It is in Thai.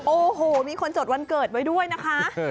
โอ้โหมีคนจดวันเกิดไว้ด้วยนะคะ